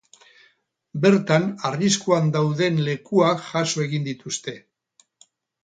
Bertan arriskuan dauden lekuak jaso egin dituzte.